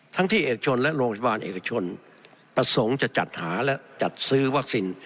ที่เอกชนและโรงพยาบาลเอกชนประสงค์จะจัดหาและจัดซื้อวัคซีน